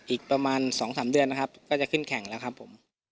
อีกประมาณ๒๓เดือนนะครับก็จะขึ้นแข่งแล้วครับผม